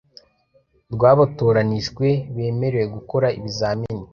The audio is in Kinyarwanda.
rw’abatoranijwe bemerewe gukora ibizamini,